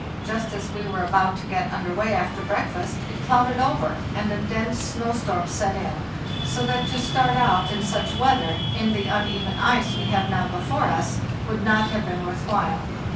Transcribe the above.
Just as we were about to get under way after breakfast it clouded over, and a dense snow storm set in, so that to start out in such weather, in the uneven ice we have now before us, would not have been worth while.